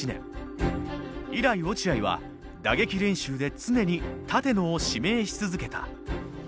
以来落合は打撃練習で常に立野を指名し続けた。